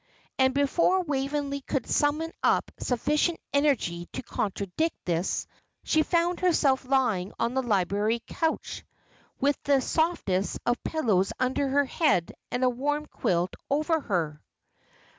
And before Waveney could summon up sufficient energy to contradict this, she found herself lying on the library couch, with the softest of pillows under her head and a warm quilt over her.